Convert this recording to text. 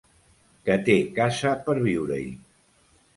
Que té casa per viure-hi.